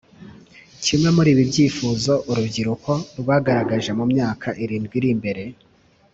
Kimwe muri ibi byifuzo uru rubyiruko rwagaragaje mu myaka irindwi iri imbere